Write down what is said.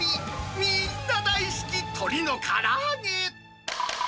みーんな大好き鶏のからあげ。